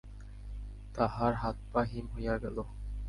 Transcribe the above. তাহার হাত-পা হিম হইয়া গেল।